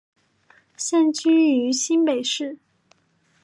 现定居于新北市。